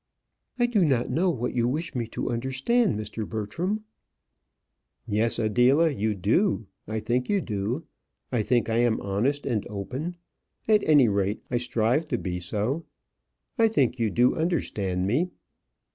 "I do not know what you wish me to understand, Mr. Bertram?" "Yes, Adela, you do; I think you do. I think I am honest and open. At any rate, I strive to be so. I think you do understand me."